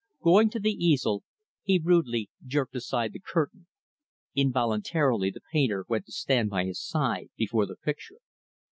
Going to the easel, he rudely jerked aside the curtain. Involuntarily, the painter went to stand by his side before the picture.